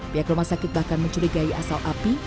pihak rumah sakit bahkan mencurigai asal api